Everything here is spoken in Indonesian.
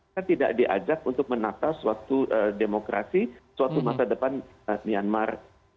saya tidak diajak untuk menata suatu demokrasi suatu masa depan myanmar